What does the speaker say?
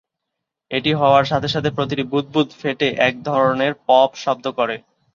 এটি হওয়ার সাথে সাথে প্রতিটি বুদবুদ ফেটে এক ধরনের "পপ" শব্দ করে।